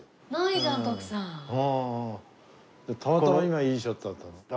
じゃあたまたま今いいショットだったんだ。